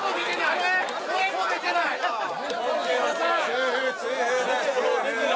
痛風痛風だよ